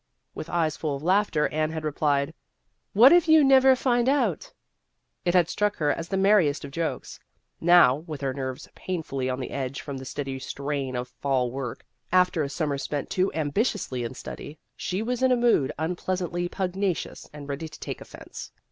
With eyes full of laughter Anne had replied, " What if you never find out ?" It had struck her as the merriest of jokes. Now, with her nerves painfully on edge from the steady strain of fall work after a summer spent too ambi tiously in study, she was in a mood un pleasantly pugnacious and ready to take offence.